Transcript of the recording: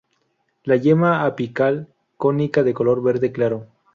La yema apical cónica de color verde claro.